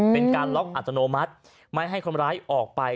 เป็นการล็อกอัตโนมัติไม่ให้คนร้ายออกไป